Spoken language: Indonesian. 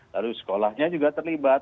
lalu sekolahnya juga terlibat